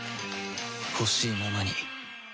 ほしいままに